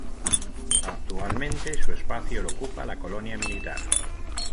Actualmente su espacio lo ocupa la colonia militar.